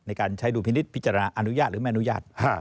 ในการใช้ดูพินิศพิจารณาอนุญาต